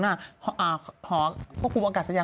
หอคุณพุทธพรรดิบังกะสัญญา